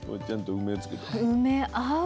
梅合う。